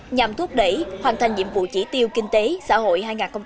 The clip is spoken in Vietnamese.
nhằm thúc đẩy hoàn thành nhiệm vụ chỉ tiêu kinh tế xã hội hai nghìn hai mươi